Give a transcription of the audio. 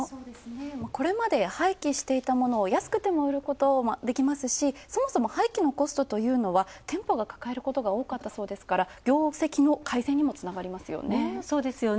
これまで廃棄したものを安くても売ることできますし、そもそも廃棄のコストは店舗が抱えることが多かったそうですから、業績の改善にもつながりますよね。